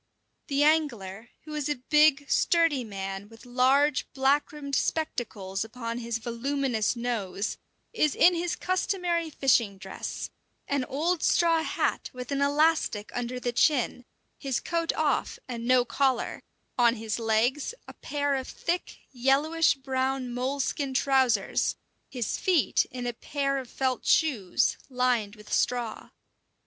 The angler, who is a big, sturdy man with large, black rimmed spectacles upon his voluminous nose, is in his customary fishing dress an old straw hat with an elastic under the chin, his coat off, and no collar, on his legs a pair of thick, yellowish brown moleskin trousers, his feet in a pair of felt shoes, lined with straw.